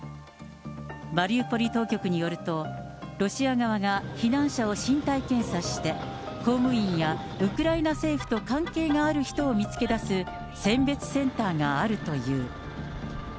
マリウポリ当局によると、ロシア側が避難者を身体検査して、公務員やウクライナ政府と関係がある人を見つけ出す選別センターがあるという。